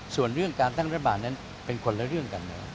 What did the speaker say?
ส่วนเรื่องการตั้งรัฐบาลนั้นเป็นคนละเรื่องกัน